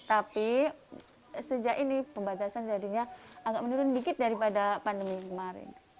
tapi sejak ini pembatasan jadinya agak menurun dikit daripada pandemi kemarin